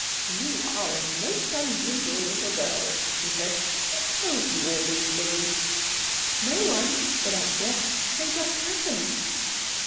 "You are a most unusual little girl," he said. "Who tells you all these things?" "No one," said Anthea, "they just happen."